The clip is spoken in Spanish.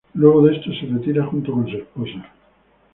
Luego de esto se retira junto con su esposa.